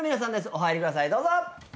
お入りくださいどうぞ！